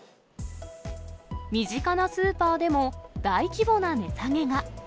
身近なスーパーでも、大規模な値下げが。